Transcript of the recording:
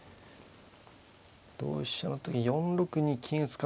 同飛車の時４六に金打つか。